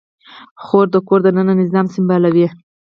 خور د کور دننه نظام سمبالوي.